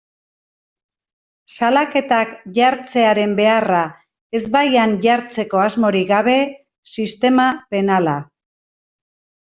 Salaketak jartzearen beharra ezbaian jartzeko asmorik gabe, sistema penala.